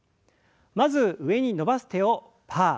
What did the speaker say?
まず上に伸ばす手をパー。